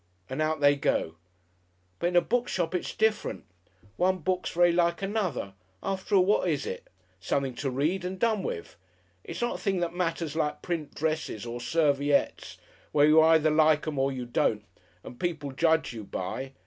and out they go. But in a book shop it's different. One book's very like another after all, what is it? Something to read and done with. It's not a thing that matters like print dresses or serviettes where you either like 'em or don't, and people judge you by.